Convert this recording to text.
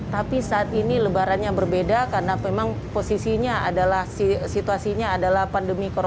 tapi saat ini lebarannya berbeda karena memang posisinya adalah situasinya adalah pandemi corona